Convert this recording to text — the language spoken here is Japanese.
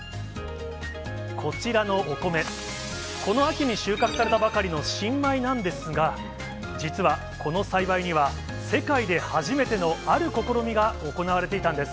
こちらのお米、この秋に収穫されたばかりの新米なんですが、実は、この栽培には世界で初めてのある試みが行われていたんです。